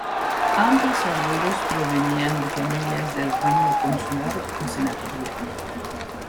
Ambos abuelos provenían de familias del rango consular o senatorial.